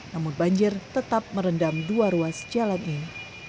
namun banjir tetap merendam dua ruas jalan ini